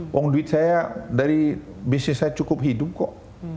uang duit saya dari bisnis saya cukup hidup kok